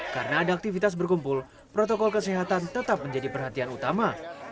karena ada aktivitas berkumpul protokol kesehatan tetap menjadi perhatian utama